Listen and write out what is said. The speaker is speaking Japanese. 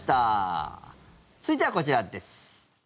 続いてはこちらです。